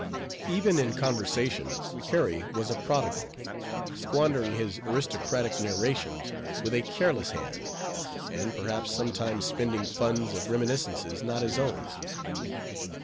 Even in conversation, Harry was a prodigal; squandering his aristocratic narrations with a careless hand; and, perhaps, sometimes spending funds of reminiscences not his own.